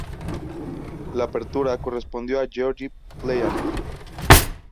La apertura correspondió a Gueorgui Plejánov.